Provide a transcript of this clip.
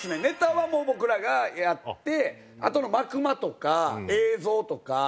ネタはもう僕らがやってあとの幕間とか映像とか。